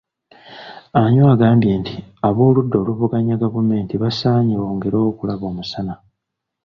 Anywar agambye nti abooludda oluvuganya gavumenti basaanye bongere okulaba omusana.